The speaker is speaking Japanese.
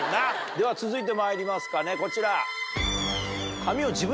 では続いてまいりますかねこちら。